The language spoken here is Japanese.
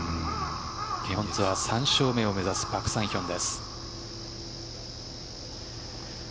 日本ツアー３勝目を目指すパク・サンヒョンです。